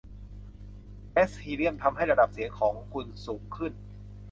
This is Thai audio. แก๊สฮีเลียมทำให้ระดับเสียงของคุณสูงขึ้น